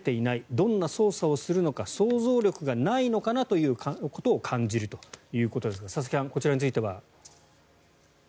どんな捜査をするのか想像力がないのかなということを感じるということですが佐々木さん、こちらについては。